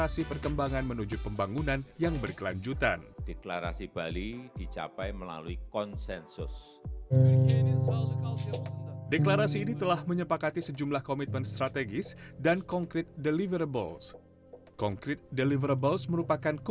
supaya negeri kita tetap jalan gitu